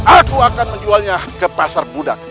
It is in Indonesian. aku akan menjualnya ke pasar budak